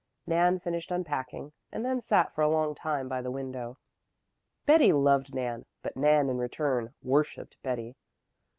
Nan finished unpacking, and then sat for a long time by the window. Betty loved Nan, but Nan in return worshiped Betty.